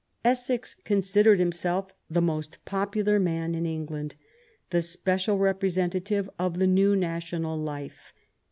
Essex considered himself the most popular man in England, the special representative of the new national life.